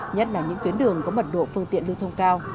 nhất là những tuyến đường có mật độ phương tiện lưu thông cao